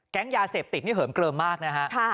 ยาเสพติดนี่เหิมเกลิมมากนะฮะ